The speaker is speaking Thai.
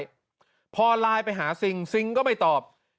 พอไลน์ไปหาซิงธรรมนาจารย์ซิงธรรมนาจารย์ก็ไม่ตอบ